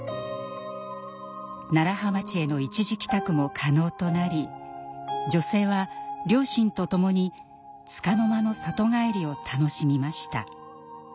楢葉町への一時帰宅も可能となり女性は両親と共につかの間の里帰りを楽しみました。